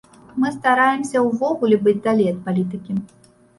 Мы стараемся ўвогуле быць далей ад палітыкі.